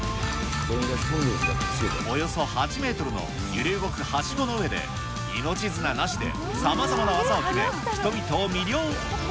およそ８メートルの揺れ動くはしごの上で命綱なしでさまざまな技を決め、人々を魅了。